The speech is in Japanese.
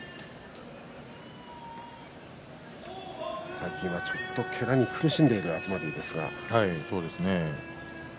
最近はちょっとけがに苦しんでいる東龍です。